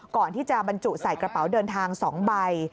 ก่อนที่จะบรรจุใส่กระเป๋าเดินทาง๒ใบ